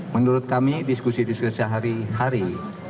menurut kami diskusi diskusi sehari hari